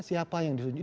siapa yang disetujui